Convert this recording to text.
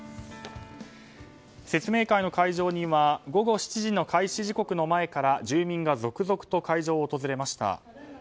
説明会の会場には午後７時の開始前から住民が続々と会場を訪れました。